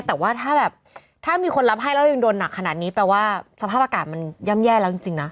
แต่ว่าถ้าแบบถ้ามีคนรับให้แล้วเรายังโดนหนักขนาดนี้แปลว่าสภาพอากาศมันย่ำแย่แล้วจริงนะ